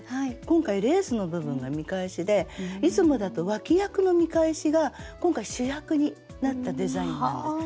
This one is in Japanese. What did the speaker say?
今回レースの部分が見返しでいつもだと脇役の見返しが今回主役になったデザインなんです。